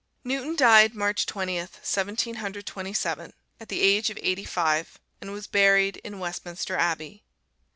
Newton died March Twentieth, Seventeen Hundred Twenty seven, at the age of eighty five, and was buried in Westminster Abbey.